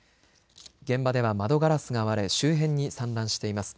現場では窓ガラスが割れ周辺に散乱しています。